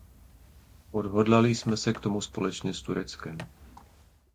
Odhodlali jsme se k tomu společně s Tureckem.